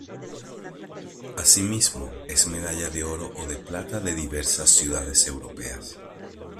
Asimismo, es medalla de oro o de plata de diversas ciudades europeas.